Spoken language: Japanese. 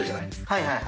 はいはい。